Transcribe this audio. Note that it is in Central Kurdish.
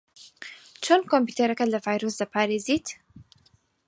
چۆن کۆمپیوتەرەکەت لە ڤایرۆس دەپارێزیت؟